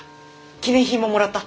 記念品ももらった？